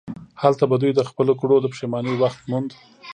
هلته به دوی د خپلو کړو د پښیمانۍ وخت موند.